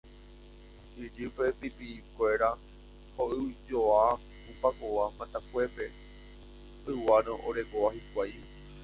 ijypýpe pipi'ikuéra hoy'ujoa ku pakova matakuépe yguárõ orekóva hikuái